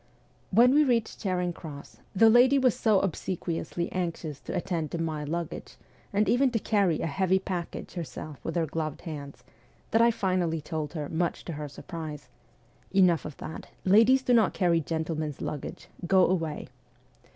When we reached Charing Cross, the lady was so obsequiously anxious to attend to my luggage, and even to carry a heavy package herself with her gloved hands, that I finally told her, much to her surprise :' Enough of that ; ladies do not carry gentlemen's luggage. Go away